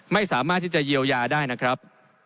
ไม่สามารถที่จะเยียวยาได้นะครับ